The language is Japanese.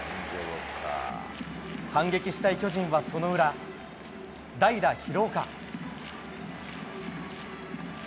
反撃したい巨人はその裏代打、廣岡。